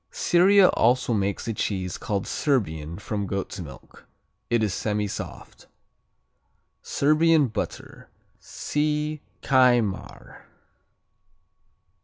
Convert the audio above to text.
Syria also makes a cheese called Serbian from goat's milk. It is semisoft. Serbian Butter see Kajmar.